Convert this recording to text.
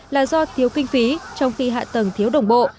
là do thiếu kinh phí trong khi hạ tầng thiếu đồng bộ